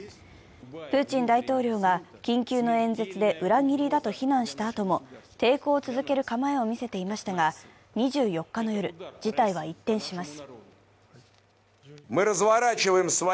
プーチン大統領が緊急の演説で裏切りだと非難したあとも抵抗を続ける構えを見せていましたが２４日の夜、事態は一転します。